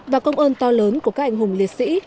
và công ơn to lớn của các anh hùng liệt sĩ